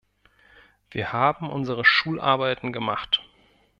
Wir haben unsere Schularbeiten gemacht.